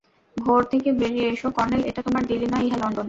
ঘোর থেকে বেড়িয়ে এসো, কর্ণেল এটা তোমার দিল্লী নয়, ইহা লন্ডন।